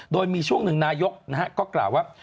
โดยมีช่วงหนึ่งนายกก็กล่าวว่า